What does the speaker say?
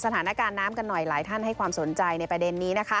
สถานการณ์น้ำกันหน่อยหลายท่านให้ความสนใจในประเด็นนี้นะคะ